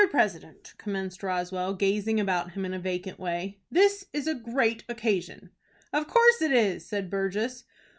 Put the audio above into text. President," commenced Roswell, gazing about him in a vacant way, "this is a great occasion." "Of course it is," said Burgess.